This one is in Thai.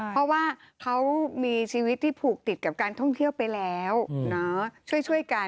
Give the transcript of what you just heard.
เพราะว่าเขามีชีวิตที่ผูกติดกับการท่องเที่ยวไปแล้วช่วยกัน